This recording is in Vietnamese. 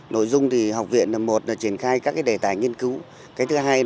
nội dung thì học viện là một là triển khai các đề tài nghiên cứu